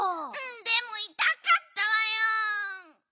でもいたかったわよ！